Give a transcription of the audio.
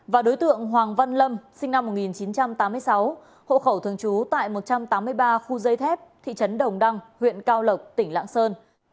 và đối tượng hoàng văn lâm sinh năm một nghìn chín trăm tám mươi sáu hộ khẩu thường trú tại một trăm tám mươi ba khu dây thép thị trấn đồng đăng huyện cao lộc tỉnh lạng sơn